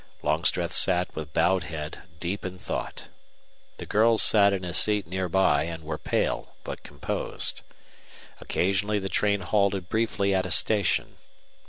Longstreth sat with bowed head, deep in thought. The girls sat in a seat near by and were pale but composed. Occasionally the train halted briefly at a station.